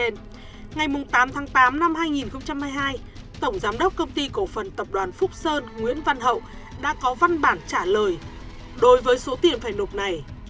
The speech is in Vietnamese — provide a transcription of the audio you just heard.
ngày tám tháng tám năm hai nghìn hai mươi hai tổng giám đốc công ty cổ phần tập đoàn phúc sơn nguyễn văn hậu đã có văn bản trả lời đối với số tiền phải nộp này